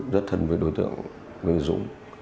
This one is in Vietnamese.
rất thân với đối tượng nguyễn việt dũng